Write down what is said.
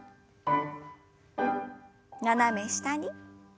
斜め下に。